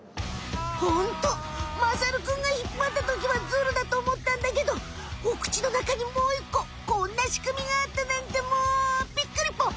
ホントまさるくんが引っぱったときはズルだとおもったんだけどお口の中にもういっここんなしくみがあったなんてもうびっくりポン！